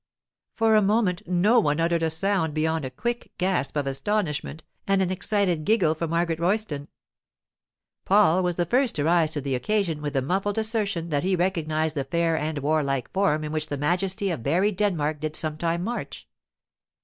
For a moment no one uttered a sound beyond a quick gasp of astonishment, and an excited giggle from Margaret Royston. Paul was the first to rise to the occasion with the muffled assertion that he recognized the fair and warlike form in which the majesty of buried Denmark did sometime march.